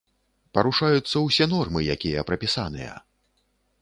Парушаюцца ўсе нормы, якія прапісаныя.